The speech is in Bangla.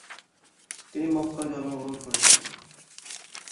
তিনি মক্কায় জন্মগ্রহণ করেছেন।